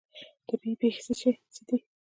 طبیعي پیښې څه دي؟